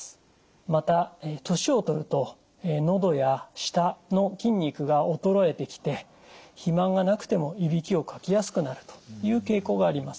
また年を取るとのどや舌の筋肉が衰えてきて肥満がなくてもいびきをかきやすくなるという傾向があります。